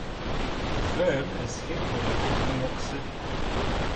The firm is headquartered in New York City.